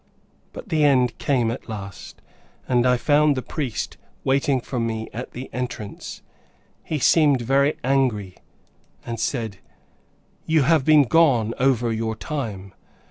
But the end came at last, and I found the priest waiting for me at the entrance. He seemed very angry, and said, "You have been gone over your time.